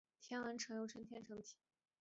天城文又称天城体。